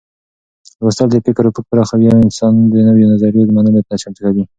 لوستل د فکر افق پراخوي او انسان د نوو نظرونو منلو ته چمتو کوي.